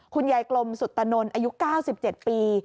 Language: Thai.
คุณยายกลมสุตนนอายุ๙๗ปี